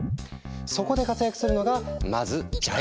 そこで活躍するのがまずジャイロセンサー！